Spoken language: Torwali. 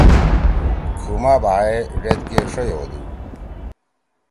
کُھو ما بھائے ڙید کے ݜئی ہودُو۔